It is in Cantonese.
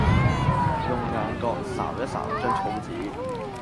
用眼角睄一睄張草紙